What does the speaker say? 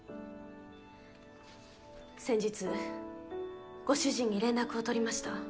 先日ご主人に連絡を取りました。